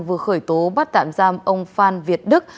vừa khởi tố bắt tạm giam ông phan việt đức